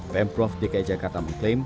pemprov dki jakarta mengklaim